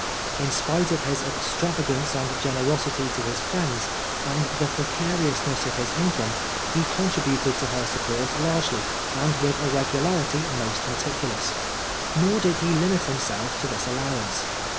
In spite of his extravagance and generosity to his friends, and the precariousness of his income, he contributed to her support largely and with a regularity most meticulous. Nor did he limit himself to this allowance.